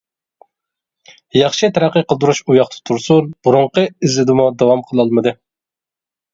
ياخشى تەرەققىي قىلدۇرۇش ئۇياقتا تۇرسۇن، بۇرۇنقى ئىزىدىمۇ داۋام قىلالمىدى.